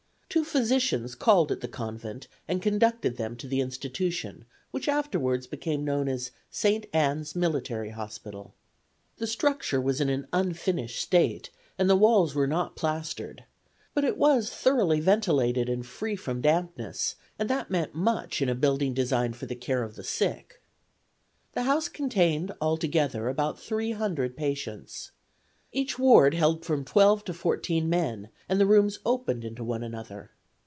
Two physicians called at the convent, and conducted them to the institution, which afterwards became known as St. Anne's Military Hospital. The structure was in an unfinished state, and the walls were not plastered. But it was thoroughly ventilated and free from dampness, and that meant much in a building designed for the care of the sick. The house contained altogether about three hundred patients. Each ward held from twelve to fourteen men, and the rooms opened into one another.